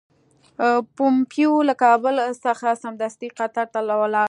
پومپیو له کابل څخه سمدستي قطر ته ولاړ.